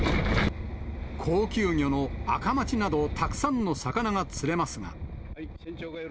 高級魚のアカマチなど、たくさんの魚が釣れますが。